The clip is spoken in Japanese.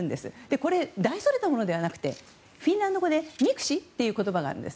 これ、大それたものではなくてフィンランド語で、ミクシ？という言葉があるんです。